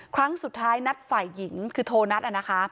ครั้งสุดท้ายนัดฝ่ายหญิงคือโทรนัดนะคะ